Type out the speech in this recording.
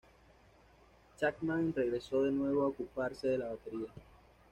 Chapman regresó de nuevo a ocuparse de la batería.